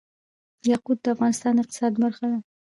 یاقوت د افغانستان د اقتصاد برخه ده.